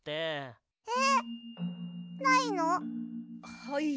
はい。